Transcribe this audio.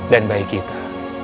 dan bayi kita